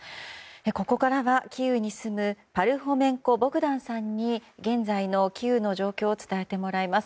ここからはキーウに住むパルホメンコ・ボグダンさんに現在のキーウの状況を伝えてもらいます。